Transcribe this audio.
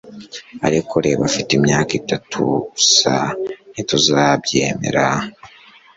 ariko reba afite imyaka itatu gusa, ntituzabyemera